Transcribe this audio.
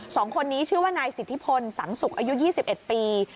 สองคนนี้ชื่อว่านายสิทธิพลสังสุกอายุ๒๑ปี